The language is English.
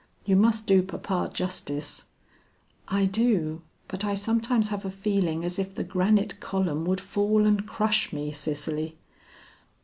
You must do papa justice." "I do, but I sometimes have a feeling as if the granite column would fall and crush me, Cicely."